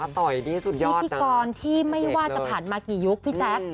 ต่อยดีสุดยอดพิธีกรที่ไม่ว่าจะผ่านมากี่ยุคพี่แจ๊ค